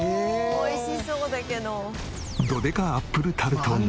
美味しそうだけど。